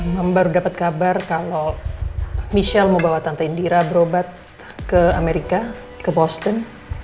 memang baru dapat kabar kalau michelle membawa tante indira berobat ke amerika ke boston